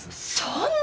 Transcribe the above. そんな！